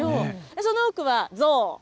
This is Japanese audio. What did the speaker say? その奥はゾウ。